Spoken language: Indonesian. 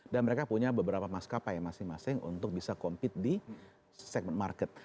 dan mereka punya beberapa mas kappa yang masing masing untuk bisa compete di segmen market